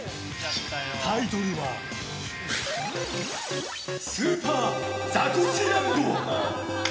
タイトルはスーパーザコシランド！